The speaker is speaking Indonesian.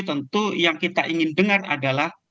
tentu yang kita ingin dengar adalah